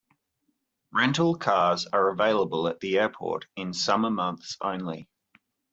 Rental cars are available at the airport in summer months only.